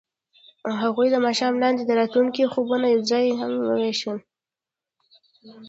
هغوی د ماښام لاندې د راتلونکي خوبونه یوځای هم وویشل.